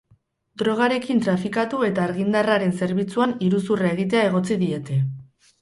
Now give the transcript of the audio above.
Drogarekin trafikatu eta argindarraren zerbitzuan iruzurra egitea egotzi diete.